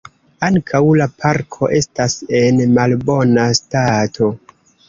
Ankaŭ la parko estas en malbona stato.